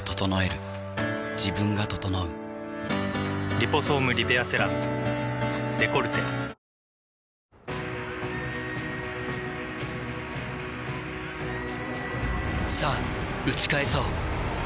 「リポソームリペアセラムデコルテ」さぁ打ち返そう